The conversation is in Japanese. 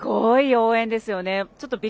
すごい応援ですよね。